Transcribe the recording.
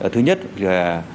thứ nhất là